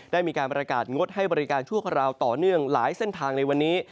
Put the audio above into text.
ได้มีการประกาศงดให้บริการชั่วคราวต่อเนื่องหลายเส้นทางในวันนี้